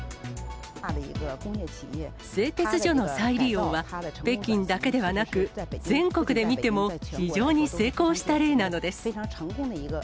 製鉄所の再利用は、北京だけではなく、全国で見ても非常に成功した例なのです。